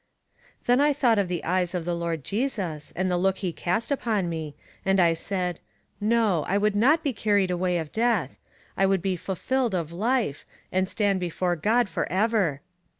Then I thought of the eyes of the Lord Jesus, and the look he cast upon me, and I said, No: I would not be carried away of Death. I would be fulfilled of Life, and stand before God for ever.